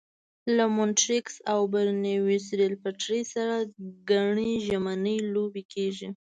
له مونټریکس او برنویس ریل پټلۍ سره ګڼې ژمنۍ لوبې کېږي.